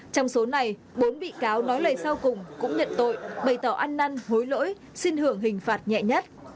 trong số này bốn bị cáo nói lời sau cùng cũng nhận tội bày tỏ ăn năn hối lỗi xin hưởng hình phạt nhẹ nhất